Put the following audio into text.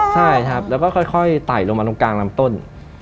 ใช่แล้วก็ค่อยไถล์ลงไปตรงกลางรำต้น